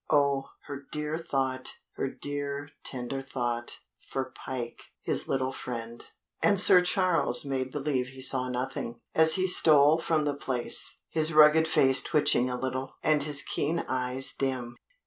Oh! her dear thought! her dear, tender thought for Pike! His little friend! And Sir Charles made believe he saw nothing, as he stole from the place, his rugged face twitching a little, and his keen eyes dim.